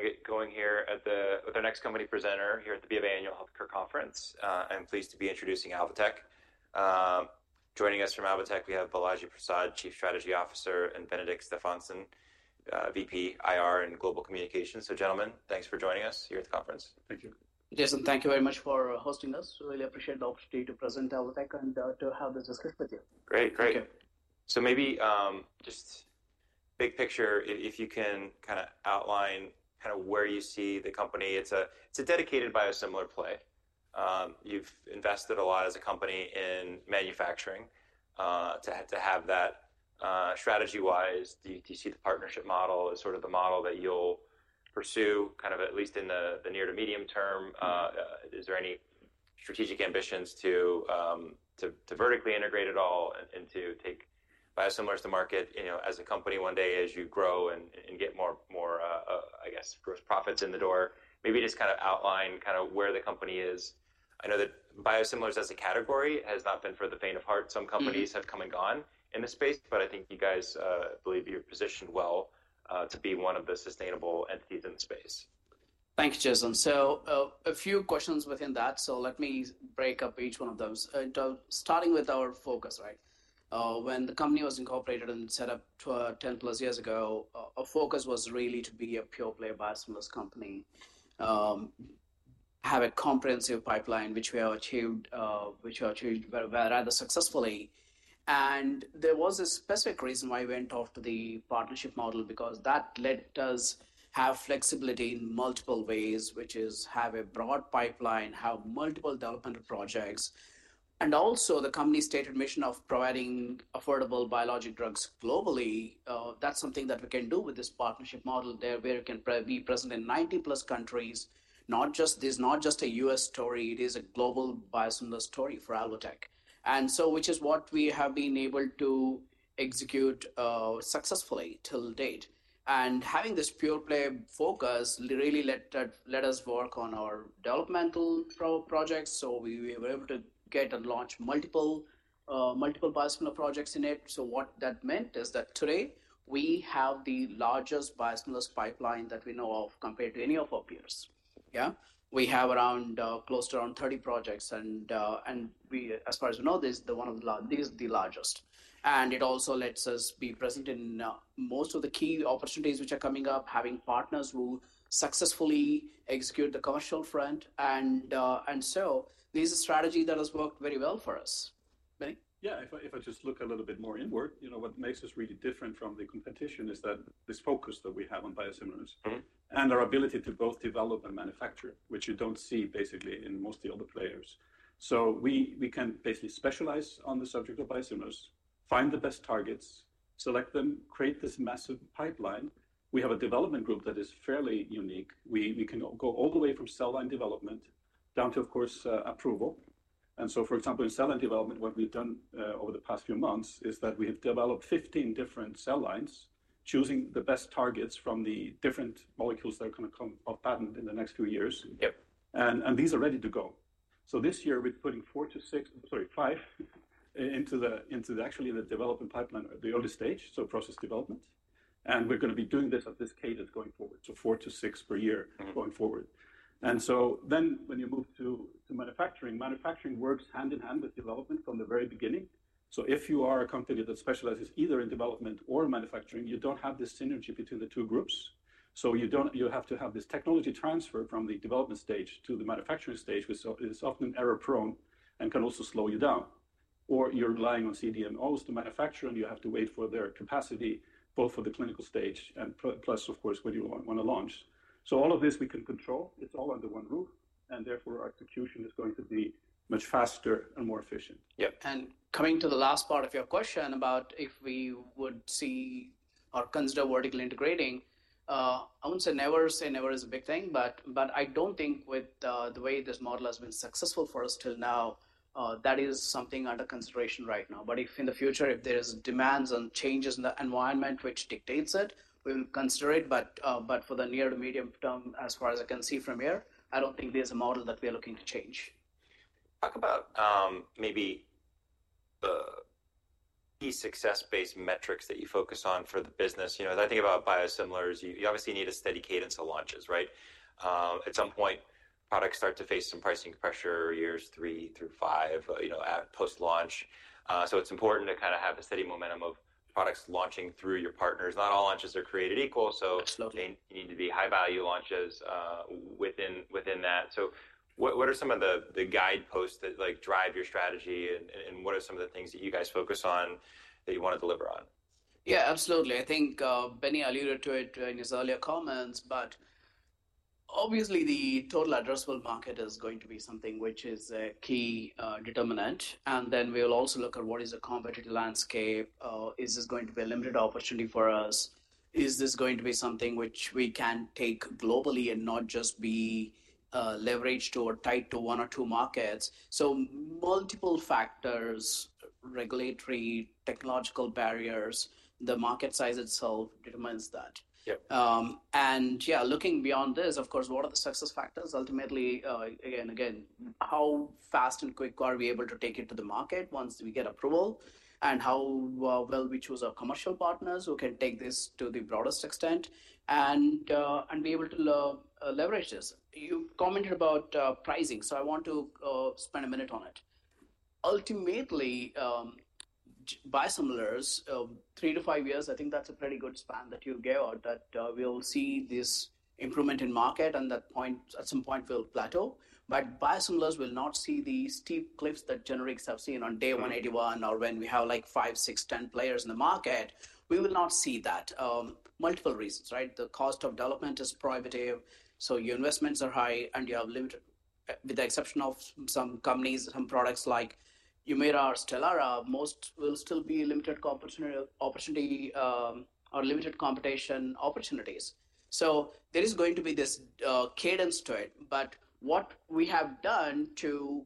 We're gonna get going here with our next company presenter here at the B of A Annual Healthcare Conference. I'm pleased to be introducing Alvotech. Joining us from Alvotech, we have Balaji Prasad, Chief Strategy Officer, and Benedikt Stefansson, VP, IR, and Global Communications. So, gentlemen, thanks for joining us here at the conference. Thank you. Jason, thank you very much for hosting us. Really appreciate the opportunity to present Alvotech and to have this discussion with you. Great. Great. Thank you. Maybe, just big picture, if you can kind a outline kind a where you see the company. It's a dedicated biosimilar play. You've invested a lot as a company in manufacturing, to have that, strategy-wise. Do you see the partnership model as sort of the model that you'll pursue, at least in the near to medium term? Is there any strategic ambitions to vertically integrate at all and to take biosimilars to market, you know, as a company one day as you grow and get more, I guess, gross profits in the door? Maybe just kind of outline kind a where the company is. I know that biosimilars as a category has not been for the faint of heart. Some companies have come and gone in this space, but I think you guys believe you're positioned well to be one of the sustainable entities in the space. Thank you, Jason. A few questions within that. Let me break up each one of those. Starting with our focus, right? When the company was incorporated and set up, 10-plus years ago, our focus was really to be a pure-play biosimilars company, have a comprehensive pipeline, which we have achieved, which we achieved very well, rather successfully. There was a specific reason why we went off to the partnership model because that let us have flexibility in multiple ways, which is have a broad pipeline, have multiple development projects. Also, the company's stated mission of providing affordable biologic drugs globally, that is something that we can do with this partnership model, where we can be present in 90-plus countries. Not just this, not just a U.S. story. It is a global biosimilar story for Alvotech. Which is what we have been able to execute successfully till date. Having this pure-play focus really let us work on our developmental projects. We were able to get and launch multiple biosimilar projects in it. What that meant is that today we have the largest biosimilars pipeline that we know of compared to any of our peers. Yeah? We have close to around 30 projects. As far as we know, this is the largest. It also lets us be present in most of the key opportunities which are coming up, having partners who successfully execute the commercial front. This is a strategy that has worked very well for us. Benedikt? Yeah. If I just look a little bit more inward, you know, what makes us really different from the competition is that this focus that we have on biosimilars. Mm-hmm. Our ability to both develop and manufacture, which you do not see basically in most of the other players, means we can basically specialize on the subject of biosimilars, find the best targets, select them, create this massive pipeline. We have a development group that is fairly unique. We can go all the way from cell line development down to, of course, approval. For example, in cell line development, what we have done over the past few months is that we have developed 15 different cell lines, choosing the best targets from the different molecules that are going to come off patent in the next few years. Yep. These are ready to go. This year, we're putting five into the development pipeline or the early stage, so process development. We're gonna be doing this at this cadence going forward, so four to six per year. Mm-hmm. Going forward. When you move to manufacturing, manufacturing works hand in hand with development from the very beginning. If you are a company that specializes either in development or manufacturing, you do not have this synergy between the two groups. You have to have this technology transfer from the development stage to the manufacturing stage, which is often error-prone and can also slow you down. Or you are relying on CDMOs to manufacture, and you have to wait for their capacity, both for the clinical stage and plus, of course, when you want to launch. All of this we can control. It is all under one roof. Therefore, our execution is going to be much faster and more efficient. Yep. Coming to the last part of your question about if we would see or consider vertically integrating, I would not say never. Say never is a big thing, but I do not think with the way this model has been successful for us till now, that is something under consideration right now. If in the future, if there is demand and changes in the environment which dictates it, we will consider it. For the near to medium term, as far as I can see from here, I do not think there is a model that we are looking to change. Talk about, maybe the key success-based metrics that you focus on for the business. You know, as I think about biosimilars, you obviously need a steady cadence of launches, right? At some point, products start to face some pricing pressure years three through five, you know, at post-launch. It is important to kind a have a steady momentum of products launching through your partners. Not all launches are created equal, so. Absolutely. They need to be high-value launches within that. What are some of the guideposts that drive your strategy? What are some of the things that you guys focus on that you wanna deliver on? Yeah. Absolutely. I think, Benny alluded to it in his earlier comments, but obviously, the total addressable market is going to be something which is a key determinant. And then we'll also look at what is the competitive landscape. Is this going to be a limited opportunity for us? Is this going to be something which we can take globally and not just be leveraged or tied to one or two markets? So multiple factors, regulatory, technological barriers, the market size itself determines that. Yep. Yeah, looking beyond this, of course, what are the success factors? Ultimately, again, how fast and quick are we able to take it to the market once we get approval? And how well we choose our commercial partners who can take this to the broadest extent and be able to leverage this? You commented about pricing, so I want to spend a minute on it. Ultimately, biosimilars, three to five years, I think that's a pretty good span that you gave out that we'll see this improvement in market and at that point at some point will plateau. Biosimilars will not see the steep cliffs that generics have seen on day 181 or when we have, like, 5, 6, 10 players in the market. We will not see that, multiple reasons, right? The cost of development is prohibitive, so your investments are high, and you have limited, with the exception of some companies, some products like Humira or Stelara, most will still be limited co-opportunity opportunity, or limited competition opportunities. There is going to be this cadence to it. What we have done to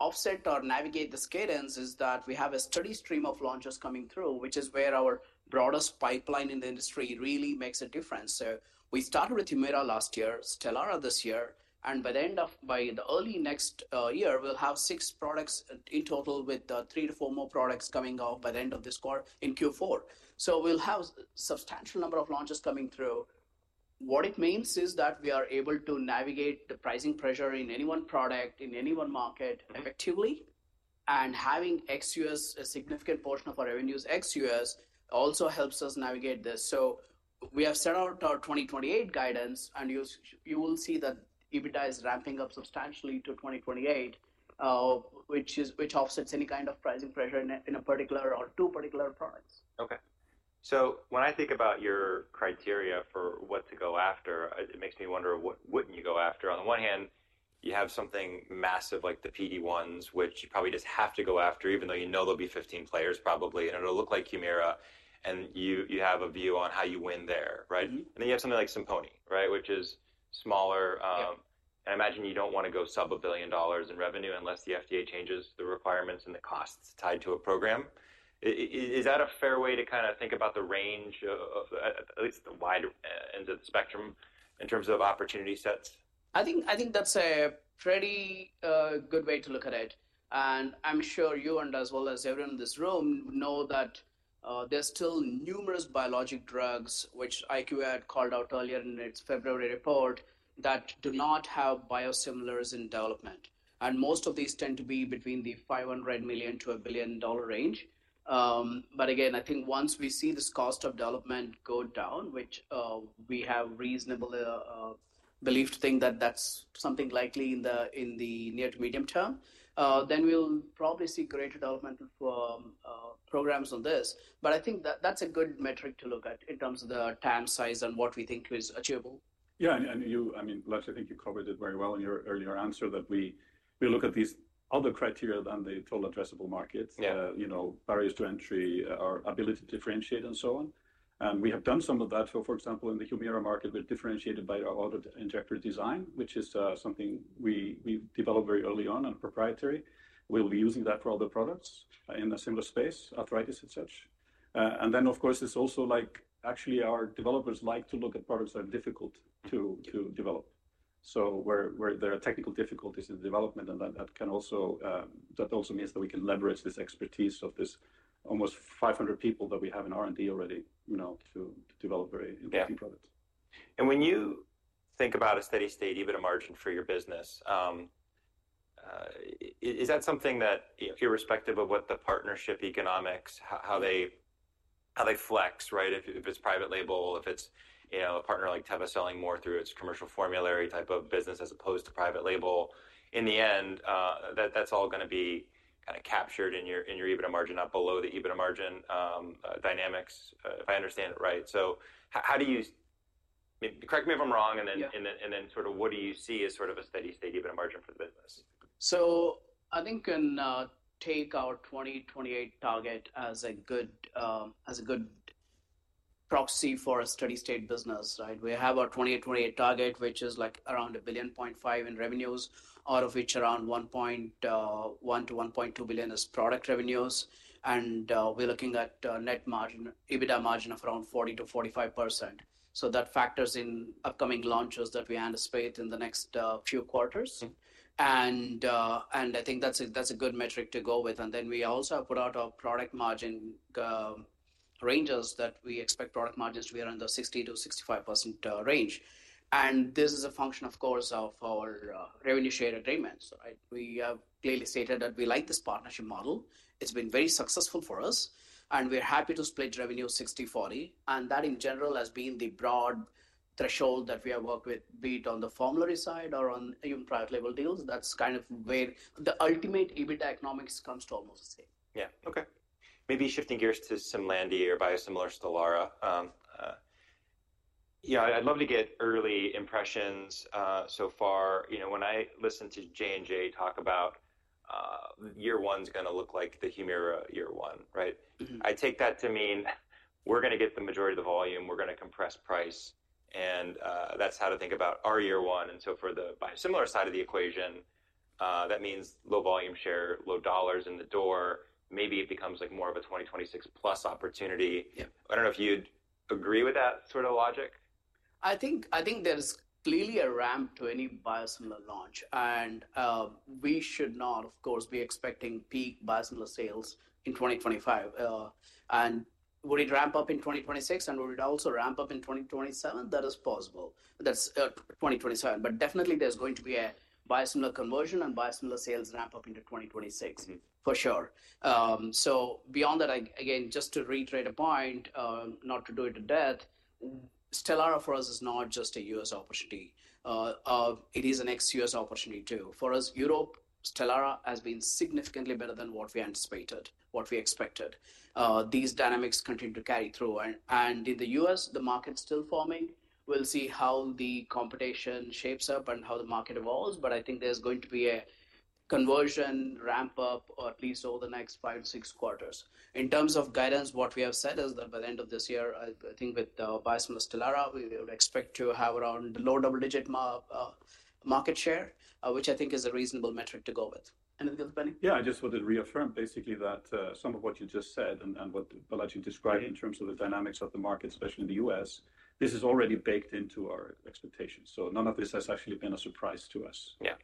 offset or navigate this cadence is that we have a steady stream of launches coming through, which is where our broadest pipeline in the industry really makes a difference. We started with Humira last year, Stelara this year. By the early next year, we'll have six products in total with three to four more products coming out by the end of this quarter in Q4. We'll have a substantial number of launches coming through. What it means is that we are able to navigate the pricing pressure in any one product, in any one market effectively. Having ex-U.S., a significant portion of our revenues ex-U.S. also helps us navigate this. We have set out our 2028 guidance, and you'll see that EBITDA is ramping up substantially to 2028, which offsets any kind of pricing pressure in a particular or two particular products. Okay. So when I think about your criteria for what to go after, it makes me wonder what would not you go after? On the one hand, you have something massive like the PD-1s, which you probably just have to go after, even though you know there will be 15 players probably, and it will look like Humira. And you, you have a view on how you win there, right? Mm-hmm. You have something like Simponi, right, which is smaller. Yep. I imagine you don't wanna go sub a billion dollars in revenue unless the FDA changes the requirements and the costs tied to a program. Is that a fair way to kind of think about the range of, at least the wide ends of the spectrum in terms of opportunity sets? I think that's a pretty good way to look at it. I'm sure you and as well as everyone in this room know that there's still numerous biologic drugs, which IQVIA had called out earlier in its February report, that do not have biosimilars in development. Most of these tend to be between the $500 million-$1 billion range. I think once we see this cost of development go down, which we have reasonable belief to think that that's something likely in the near to medium term, we'll probably see greater development for programs on this. I think that that's a good metric to look at in terms of the time, size, and what we think is achievable. Yeah. And, and you, I mean, Balaji, I think you covered it very well in your earlier answer that we, we look at these other criteria than the total addressable markets. Yeah. You know, barriers to entry, our ability to differentiate, and so on. We have done some of that. For example, in the Humira market, we're differentiated by our auto injector design, which is something we developed very early on and proprietary. We'll be using that for other products in a similar space, arthritis and such. Of course, it's also like actually our developers like to look at products that are difficult to develop. Where there are technical difficulties in the development, that also means that we can leverage this expertise of this almost 500 people that we have in R&D already, you know, to develop very important. Yeah. Products. When you think about a steady state, EBITDA margin for your business, is that something that, irrespective of what the partnership economics, how they flex, right? If it is private label, if it is, you know, a partner like Teva selling more through its commercial formulary type of business as opposed to private label, in the end, that is all gonna be kind a captured in your EBITDA margin, up below the EBITDA margin dynamics, if I understand it right. How do you, maybe correct me if I am wrong, and then. Yeah. Then sort of what do you see as sort of a steady state EBITDA margin for the business? I think we can take our 2028 target as a good proxy for a steady state business, right? We have our 2028 target, which is like around $1.5 billion in revenues, out of which around $1.1 billion-$1.2 billion is product revenues. And we're looking at net margin, EBITDA margin of around 40%-45%. That factors in upcoming launches that we anticipate in the next few quarters. Mm-hmm. I think that's a good metric to go with. We also have put out our product margin ranges that we expect product margins to be around the 60-65% range. This is a function, of course, of our revenue share agreements, right? We have clearly stated that we like this partnership model. It's been very successful for us. We're happy to split revenue 60/40. That, in general, has been the broad threshold that we have worked with, be it on the formulary side or on even private label deals. That's kind of where the ultimate EBITDA economics comes to almost the same. Yeah. Okay. Maybe shifting gears to Simlandi or biosimilar Stelara, you know, I'd love to get early impressions so far. You know, when I listen to J&J talk about, year one's gonna look like the Humira year one, right? Mm-hmm. I take that to mean we're gonna get the majority of the volume. We're gonna compress price. That's how to think about our year one. For the biosimilar side of the equation, that means low volume share, low dollars in the door. Maybe it becomes like more of a 2026 plus opportunity. Yep. I don't know if you'd agree with that sort of logic. I think there's clearly a ramp to any biosimilar launch. We should not, of course, be expecting peak biosimilar sales in 2025. Would it ramp up in 2026, and would it also ramp up in 2027? That is possible. That's 2027. Definitely, there's going to be a biosimilar conversion and biosimilar sales ramp up into 2026. Mm-hmm. For sure. So beyond that, I again, just to reiterate a point, not to do it to death, Stelara for us is not just a U.S. opportunity. It is an ex-U.S. opportunity too. For us, Europe, Stelara has been significantly better than what we anticipated, what we expected. These dynamics continue to carry through. In the U.S., the market's still forming. We'll see how the competition shapes up and how the market evolves. I think there's going to be a conversion ramp up, or at least over the next five to six quarters. In terms of guidance, what we have said is that by the end of this year, I think with biosimilar Stelara, we would expect to have around the low double-digit market share, which I think is a reasonable metric to go with. Anything else, Benny? Yeah. I just wanted to reaffirm basically that, some of what you just said and what Balaji described in terms of the dynamics of the market, especially in the U.S., this is already baked into our expectations. None of this has actually been a surprise to us. Yeah.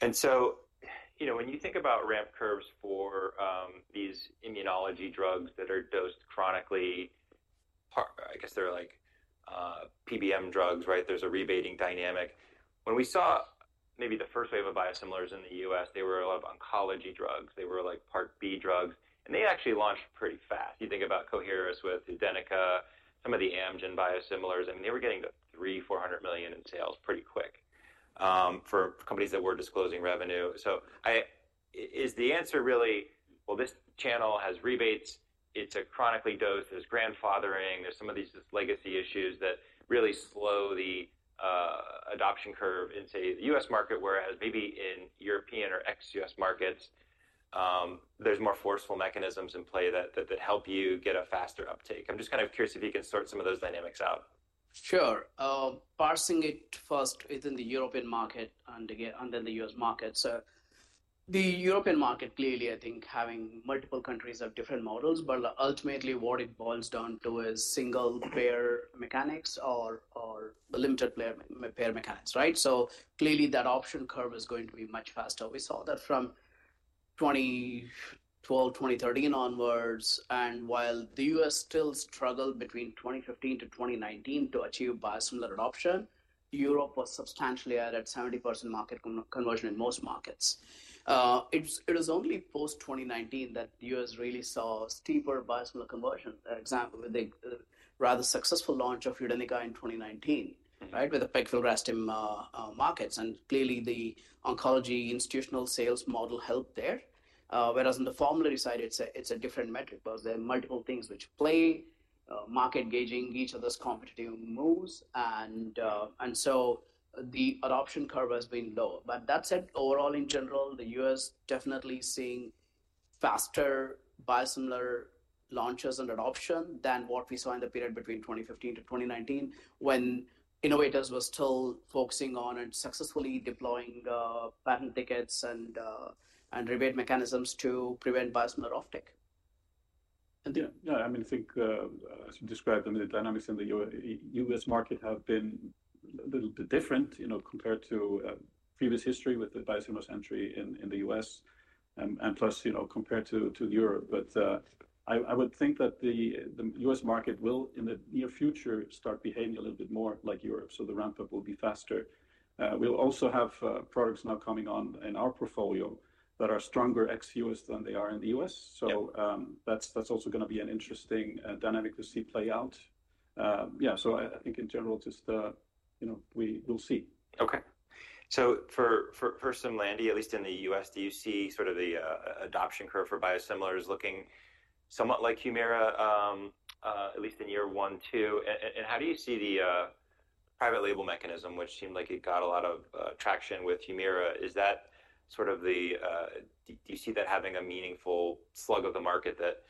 And so, you know, when you think about ramp curves for these immunology drugs that are dosed chronically, par I guess they're like, PBM drugs, right? There's a rebating dynamic. When we saw maybe the first wave of biosimilars in the U.S., they were a lot of oncology drugs. They were like part B drugs. And they actually launched pretty fast. You think about Coherus with Udenyca, some of the Amgen biosimilars. I mean, they were getting to $300 million-$400 million in sales pretty quick, for companies that were disclosing revenue. So is the answer really, well, this channel has rebates. It's a chronically dosed. There's grandfathering. There's some of these just legacy issues that really slow the adoption curve in, say, the U.S. market, whereas maybe in European or ex-U.S. markets, there's more forceful mechanisms in play that help you get a faster uptake. I'm just kind of curious if you can sort some of those dynamics out. Sure. Parsing it first within the European market and again, and then the U.S. market. The European market, clearly, I think, having multiple countries have different models. Ultimately, what it boils down to is single-player mechanics or, or limited-player mechanics, right? Clearly, that adoption curve is going to be much faster. We saw that from 2012, 2013 onwards. While the U.S. still struggled between 2015 to 2019 to achieve biosimilar adoption, Europe was substantially at a 70% market conversion in most markets. It was only post-2019 that the US really saw steeper biosimilar conversion, for example, with the rather successful launch of Humira in 2019, right, with the pegfilgrastim markets. Clearly, the oncology institutional sales model helped there. Whereas on the formulary side, it's a different metric because there are multiple things which play, market gauging each other's competitive moves. The adoption curve has been lower. That said, overall, in general, the U.S. is definitely seeing faster biosimilar launches and adoption than what we saw in the period between 2015 to 2019 when innovators were still focusing on and successfully deploying patent tickets and rebate mechanisms to prevent biosimilar offtake. Yeah, I mean, I think, as you described, the dynamics in the U.S. market have been a little bit different, you know, compared to previous history with the biosimilars entry in the U.S., and plus, you know, compared to Europe. I would think that the U.S. market will, in the near future, start behaving a little bit more like Europe. The ramp-up will be faster. We'll also have products now coming on in our portfolio that are stronger ex-U.S. than they are in the U.S. Mm-hmm. That's also gonna be an interesting dynamic to see play out. Yeah. I think in general, just, you know, we will see. Okay. For Simlandi, at least in the U.S., do you see sort of the adoption curve for biosimilars looking somewhat like Humira, at least in year one, two? How do you see the private label mechanism, which seemed like it got a lot of traction with Humira? Is that sort of the, do you see that having a meaningful slug of the market, that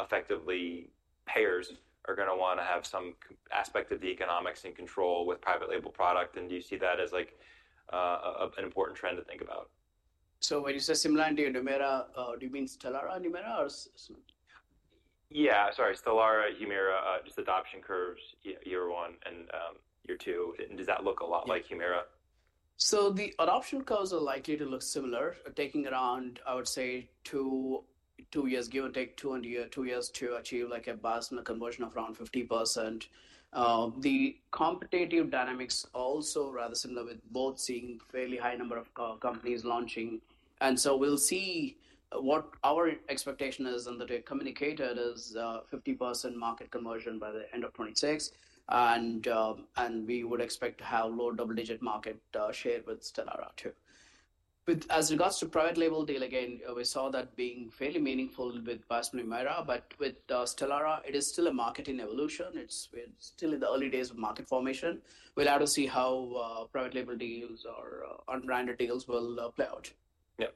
effectively payers are gonna wanna have some aspect of the economics in control with private label product? Do you see that as an important trend to think about? When you say similarity in Humira, do you mean Stelara and Humira or s-s? Yeah. Sorry. Stelara, Humira, just adoption curves, year one and year two. And does that look a lot like Humira? The adoption curves are likely to look similar, taking around, I would say, two years, give or take, two years to achieve like a biosimilar conversion of around 50%. The competitive dynamics also rather similar with both seeing fairly high number of companies launching. We will see what our expectation is and that it communicated is 50% market conversion by the end of 2026. We would expect to have low double-digit market share with Stelara too. With as regards to private label deal, again, we saw that being fairly meaningful with biosimilar Humira. With Stelara, it is still a marketing evolution. We are still in the early days of market formation. We will have to see how private label deals or unbranded deals will play out. Yep.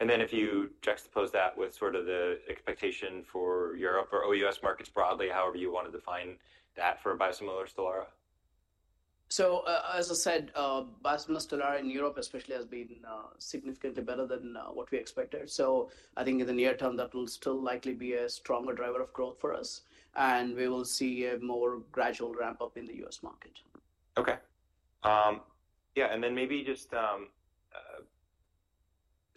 And then if you juxtapose that with sort of the expectation for Europe or, or U.S. markets broadly, however you wanna define that for biosimilar Stelara? As I said, biosimilar Stelara in Europe especially has been significantly better than what we expected. I think in the near term, that will still likely be a stronger driver of growth for us. We will see a more gradual ramp up in the US market. Okay. Yeah. And then maybe just,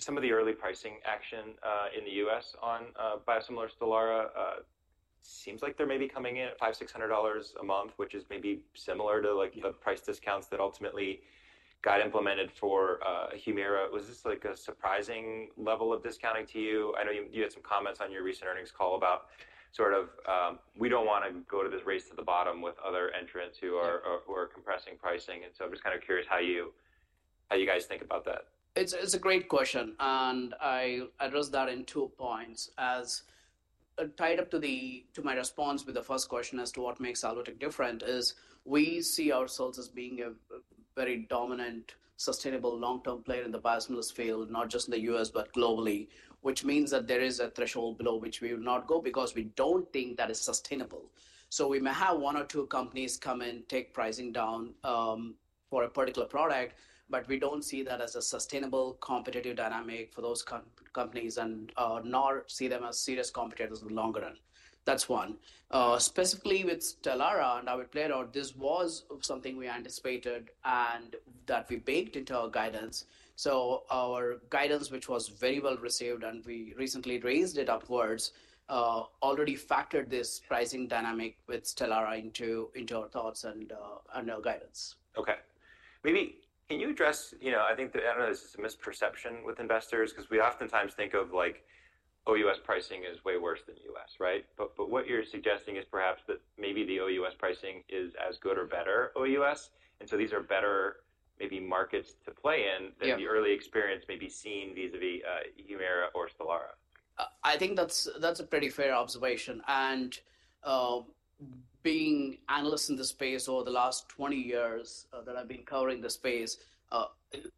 some of the early pricing action, in the U.S. on, biosimilar Stelara, seems like they're maybe coming in at $500-$600 a month, which is maybe similar to like the price discounts that ultimately got implemented for, Humira. Was this like a surprising level of discounting to you? I know you, you had some comments on your recent earnings call about sort of, we do not wanna go to this race to the bottom with other entrants who are, who are compressing pricing. And so I'm just kind a curious how you how you guys think about that. It's a great question. I address that in two points. As tied up to my response with the first question as to what makes Alvotech different is we see ourselves as being a very dominant, sustainable, long-term player in the biosimilars field, not just in the U.S. but globally, which means that there is a threshold below which we will not go because we do not think that is sustainable. We may have one or two companies come and take pricing down for a particular product, but we do not see that as a sustainable competitive dynamic for those companies, nor see them as serious competitors in the long run. That is one. Specifically with Stelara and our playground, this was something we anticipated and that we baked into our guidance. Our guidance, which was very well received, and we recently raised it upwards, already factored this pricing dynamic with Stelara into our thoughts and our guidance. Okay. Maybe can you address, you know, I think that I don't know. This is a misperception with investors 'cause we oftentimes think of like, "OUS pricing is way worse than OUS," right? What you're suggesting is perhaps that maybe the OUS pricing is as good or better OUS And so these are better maybe markets to play in. Yeah. Than the early experience maybe seen vis-a-vis, Humira or Stelara. I think that's a pretty fair observation. Being analysts in this space over the last 20 years that I've been covering the space,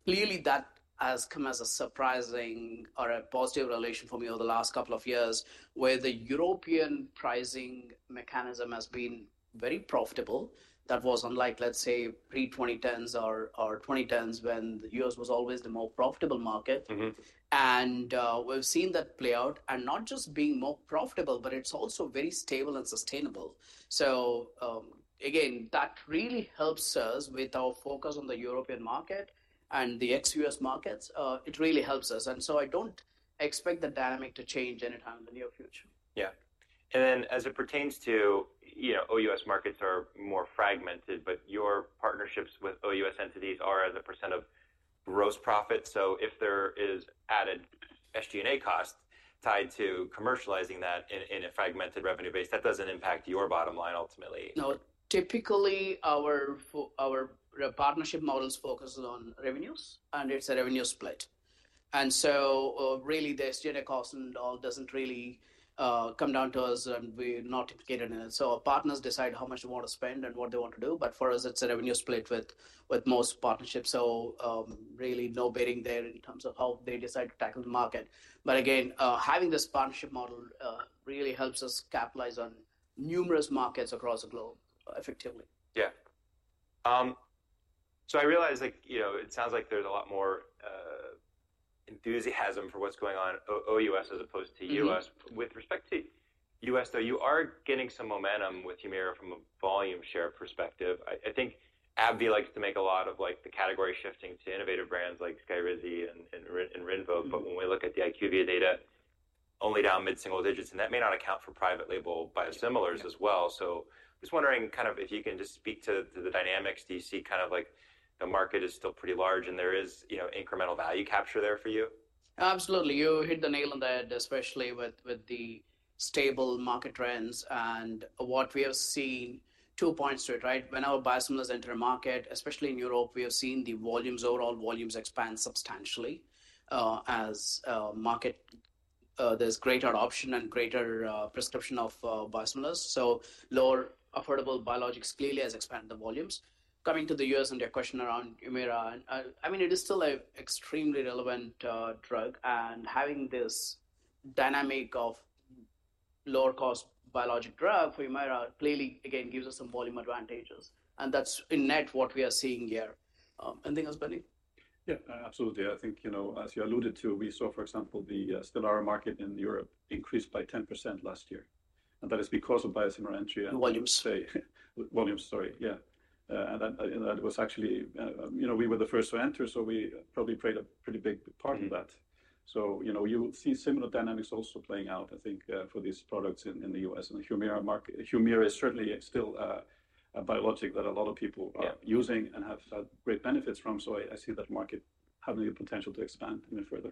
clearly that has come as a surprising or a positive revelation for me over the last couple of years where the European pricing mechanism has been very profitable. That was unlike, let's say, pre-2010s or 2010s when the US was always the more profitable market. Mm-hmm. We have seen that play out. Not just being more profitable, but it is also very stable and sustainable. Again, that really helps us with our focus on the European market and the ex-U.S. markets. It really helps us. I do not expect the dynamic to change anytime in the near future. Yeah. And then as it pertains to, you know, OUS markets are more fragmented, but your partnerships with OUS entities are as a % of gross profit. So if there is added SG&A cost tied to commercializing that in, in a fragmented revenue base, that doesn't impact your bottom line ultimately. No. Typically, our partnership models focus on revenues, and it's a revenue split. Really, the SG&A cost and all does not really come down to us, and we're not implicated in it. Our partners decide how much they want to spend and what they want to do. For us, it's a revenue split with most partnerships. Really, no bidding there in terms of how they decide to tackle the market. Again, having this partnership model really helps us capitalize on numerous markets across the globe effectively. Yeah. So I realize, like, you know, it sounds like there's a lot more enthusiasm for what's going on O.US as opposed to U.S. Yeah. With respect to U.S., though, you are getting some momentum with Humira from a volume share perspective. I think AbbVie likes to make a lot of, like, the category shifting to innovative brands like Skyrizi and Rinvoq. Mm-hmm. When we look at the IQVIA data, only down mid-single digits. That may not account for private label biosimilars as well. Just wondering if you can speak to the dynamics. Do you see the market is still pretty large and there is, you know, incremental value capture there for you? Absolutely. You hit the nail on the head, especially with the stable market trends. What we have seen, two points to it, right? When our biosimilars enter a market, especially in Europe, we have seen the volumes, overall volumes expand substantially, as market, there is greater option and greater prescription of biosimilars. Lower affordable biologics clearly have expanded the volumes. Coming to the U.S. and your question around Humira, I mean, it is still an extremely relevant drug. Having this dynamic of lower-cost biologic drug for Humira clearly, again, gives us some volume advantages. That is in net what we are seeing here. Anything else, Benny? Yeah. Absolutely. I think, you know, as you alluded to, we saw, for example, the Stelara market in Europe increased by 10% last year. That is because of biosimilar entry and. Volumes. Say volumes, sorry. Yeah, and that, that was actually, you know, we were the first to enter, so we probably played a pretty big part in that. You know, you will see similar dynamics also playing out, I think, for these products in the U.S. and the Humira mark. Humira is certainly still a biologic that a lot of people are. Yeah. Using and have had great benefits from. I see that market having the potential to expand even further.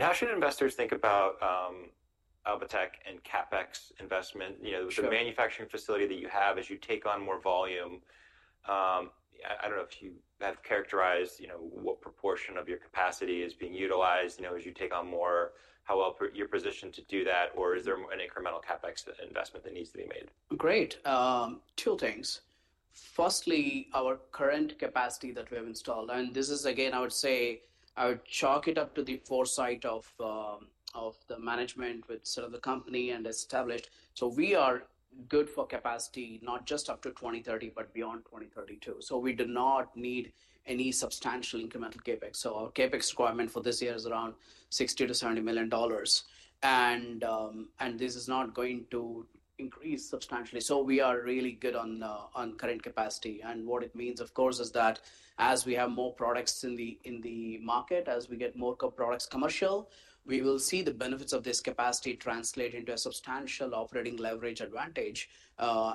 How should investors think about Alvotech and CapEx investment? You know, the manufacturing facility that you have as you take on more volume, I do not know if you have characterized, you know, what proportion of your capacity is being utilized, you know, as you take on more, how well you are positioned to do that, or is there an incremental CapEx investment that needs to be made? Great. Two things. Firstly, our current capacity that we have installed. This is, again, I would say I would chalk it up to the foresight of the management with sort of the company and established. We are good for capacity, not just up to 2030 but beyond 2032. We do not need any substantial incremental CapEx. Our CapEx requirement for this year is around $60 million-$70 million. This is not going to increase substantially. We are really good on current capacity. What it means, of course, is that as we have more products in the market, as we get more products commercial, we will see the benefits of this capacity translate into a substantial operating leverage advantage,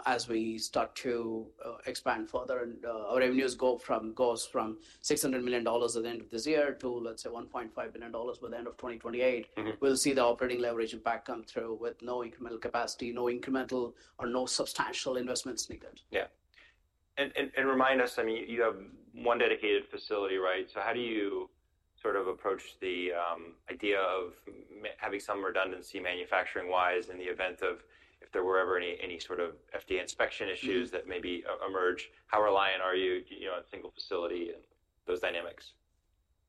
as we start to expand further and our revenues go from $600 million at the end of this year to, let's say, $1.5 billion by the end of 2028. Mm-hmm. We'll see the operating leverage impact come through with no incremental capacity, no incremental or no substantial investments needed. Yeah. And remind us, I mean, you have one dedicated facility, right? So how do you sort of approach the idea of having some redundancy manufacturing-wise in the event of if there were ever any sort of FDA inspection issues that maybe emerge? How reliant are you, you know, on single facility and those dynamics?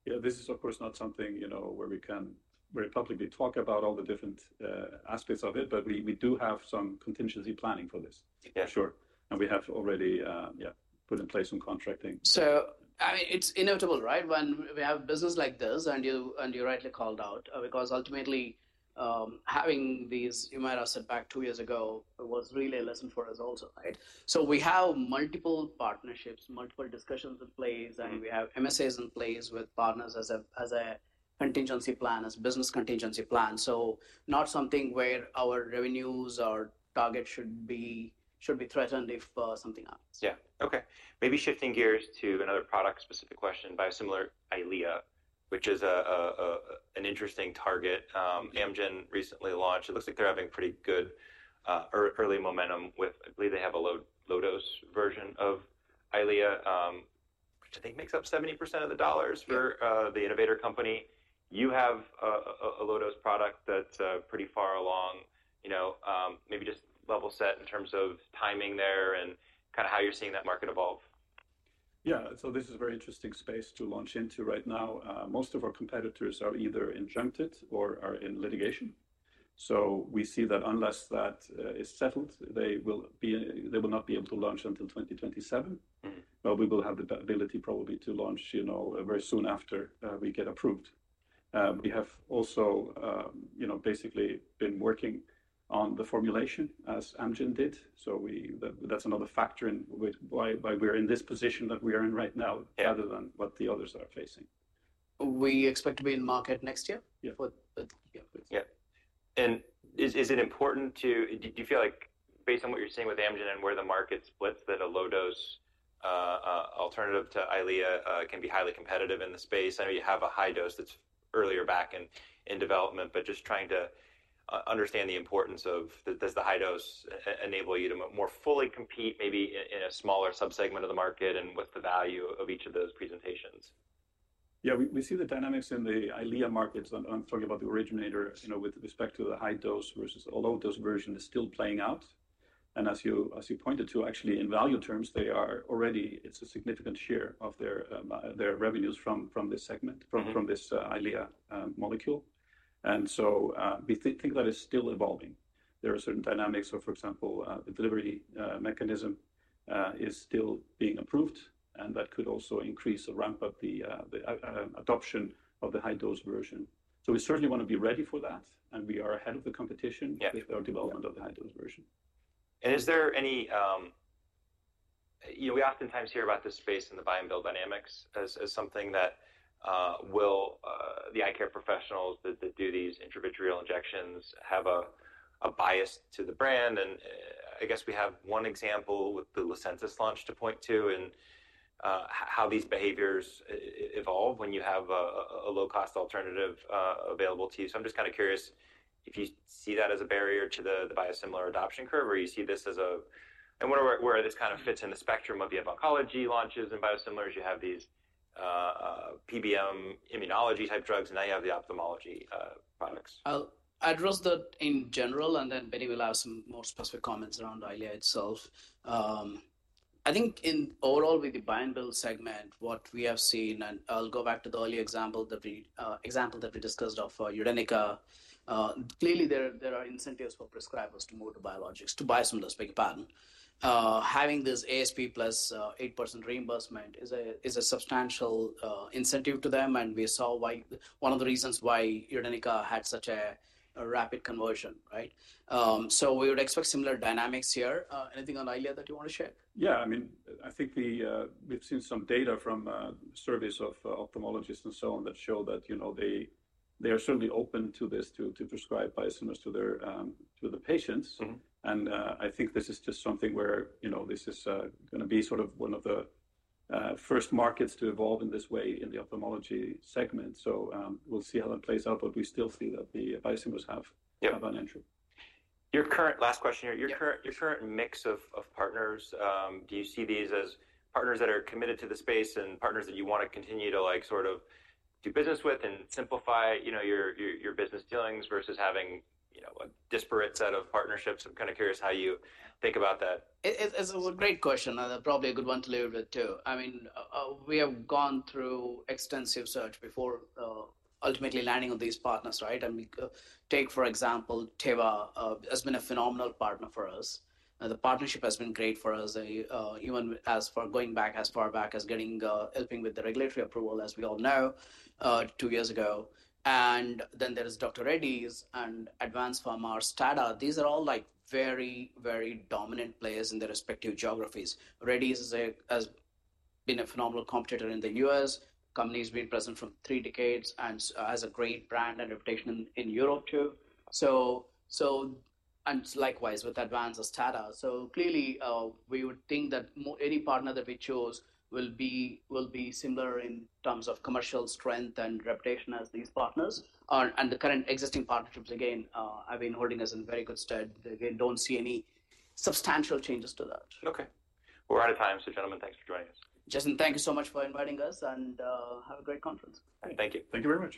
Yeah. This is, of course, not something, you know, where we can very publicly talk about all the different aspects of it, but we do have some contingency planning for this. Yeah. Sure. We have already, yeah, put in place some contracting. I mean, it's inevitable, right, when we have business like this, and you rightly called out, because ultimately, having these Humira setback two years ago was really a lesson for us also, right? We have multiple partnerships, multiple discussions in place. Mm-hmm. We have MSAs in place with partners as a contingency plan, as a business contingency plan. Not something where our revenues or target should be threatened if something happens. Yeah. Okay. Maybe shifting gears to another product-specific question, biosimilar Eylea, which is an interesting target. Amgen recently launched. It looks like they're having pretty good early momentum with, I believe they have a low-dose version of Eylea, which I think makes up 70% of the dollars for the innovator company. You have a low-dose product that's pretty far along, you know, maybe just level set in terms of timing there and kind a how you're seeing that market evolve. Yeah. This is a very interesting space to launch into right now. Most of our competitors are either injunctive or are in litigation. We see that unless that is settled, they will not be able to launch until 2027. Mm-hmm. We will have the ability probably to launch, you know, very soon after we get approved. We have also, you know, basically been working on the formulation as Amgen did. So that is another factor in with why, why we are in this position that we are in right now. Yeah. Rather than what the others are facing. We expect to be in market next year. Yeah. For the yeah. Yeah. Is it important, do you feel like based on what you're seeing with Amgen and where the market splits, that a low-dose alternative to Eylea can be highly competitive in the space? I know you have a high dose that's earlier back in development, but just trying to understand the importance of does the high dose enable you to more fully compete maybe in a smaller subsegment of the market and with the value of each of those presentations? Yeah. We see the dynamics in the Eylea markets. I'm talking about the originator, you know, with respect to the high dose versus the low-dose version is still playing out. And as you pointed to, actually, in value terms, they are already, it's a significant share of their revenues from this segment. Mm-hmm. From this Eylea molecule. We think that is still evolving. There are certain dynamics of, for example, the delivery mechanism is still being approved, and that could also increase or ramp up the adoption of the high-dose version. We certainly wanna be ready for that, and we are ahead of the competition. Yeah. With our development of the high-dose version. Is there any, you know, we oftentimes hear about this space in the buy-and-bill dynamics as something that, will, the eye care professionals that do these intravitreal injections have a bias to the brand. I guess we have one example with the Lucentis launch to point to and how these behaviors evolve when you have a low-cost alternative available to you. I'm just kind a curious if you see that as a barrier to the biosimilar adoption curve or you see this as a, and where this kind of fits in the spectrum of you have oncology launches and biosimilars, you have these PBM immunology type drugs, and now you have the ophthalmology products. I'll address that in general, and then Benny will have some more specific comments around Eylea itself. I think overall with the buy-and-bill segment, what we have seen, and I'll go back to the earlier example that we discussed of Udenyca, clearly there are incentives for prescribers to move to biologics, to biosimilars by the pattern. Having this ASP plus 8% reimbursement is a substantial incentive to them. We saw one of the reasons why Udenyca had such a rapid conversion, right? We would expect similar dynamics here. Anything on Eylea that you wanna share? Yeah. I mean, I think we've seen some data from surveys of ophthalmologists and so on that show that, you know, they are certainly open to this, to prescribe biosimilars to their patients. Mm-hmm. I think this is just something where, you know, this is gonna be sort of one of the first markets to evolve in this way in the ophthalmology segment. We'll see how that plays out, but we still see that the biosimilars have. Yeah. Have an entry. Your current last question here. Yeah. Your current mix of partners, do you see these as partners that are committed to the space and partners that you wanna continue to, like, sort of do business with and simplify, you know, your business dealings versus having a disparate set of partnerships? I'm kind a curious how you think about that. It is a great question, and probably a good one to leave with too. I mean, we have gone through extensive search before, ultimately landing on these partners, right? We take, for example, Teva, has been a phenomenal partner for us. The partnership has been great for us. They, even going back as far as helping with the regulatory approval, as we all know, two years ago. Then there is Dr. Reddy's and Advanz Pharma or STADA. These are all very, very dominant players in their respective geographies. Reddy's has been a phenomenal competitor in the U.S. Company's been present for three decades and has a great brand and reputation in Europe too. Likewise with Advanz or STADA. Clearly, we would think that any partner that we chose will be similar in terms of commercial strength and reputation as these partners. The current existing partnerships, again, have been holding us in very good stead. Again, do not see any substantial changes to that. Okay. We're out of time, so gentlemen, thanks for joining us. Justin, thank you so much for inviting us, and have a great conference. Thank you. Thank you very much.